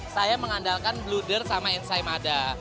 saya mengandalkan bloder sama ensai mada